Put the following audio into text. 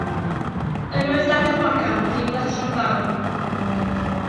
Yr oedd Dafydd Morgan wedi ei blesio yn fawr.